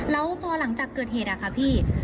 แล้วพอหลังจากเกิดเหตุอะค่ะพี่